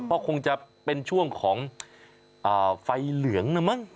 ก็คงจะเป็นช่วงของไฟเหลืองนะมั้ง